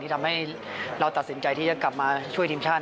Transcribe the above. ทำให้เราตัดสินใจที่จะกลับมาช่วยทีมชาติ